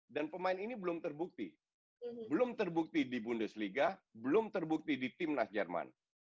dan pemain ini belum terbukti belum terbukti di bundesliga belum terbukti di tim nass jerman